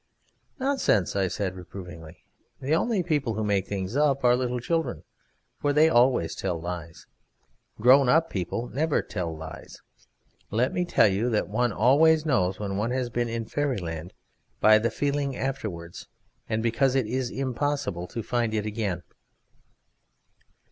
"Nonsense!" I said reprovingly, "the only people who make things up are little children, for they always tell lies. Grown up people never tell lies. Let me tell you that one always knows when one has been in Fairyland by the feeling afterwards, and because it is impossible to find it again."